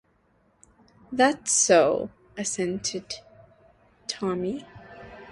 "That's so," assented Tommy.